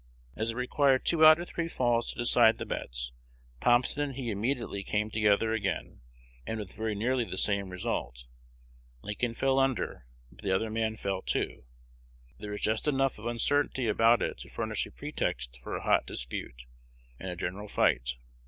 As it required two out of three falls to decide the bets, Thompson and he immediately came together again, and with very nearly the same result. Lincoln fell under, but the other man fell too. There was just enough of uncertainty about it to furnish a pretext for a hot dispute and a general fight.